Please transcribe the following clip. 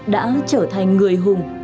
đã trở thành người hùng